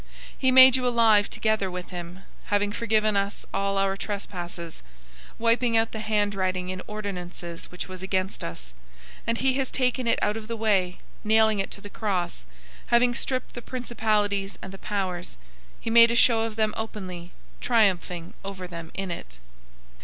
He made you alive together with him, having forgiven us all our trespasses, 002:014 wiping out the handwriting in ordinances which was against us; and he has taken it out of the way, nailing it to the cross; 002:015 having stripped the principalities and the powers, he made a show of them openly, triumphing over them in it.